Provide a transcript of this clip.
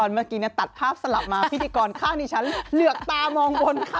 เมื่อกี้ตัดภาพสลับมาพิธีกรข้างนี้ฉันเหลือกตามองบนค่ะ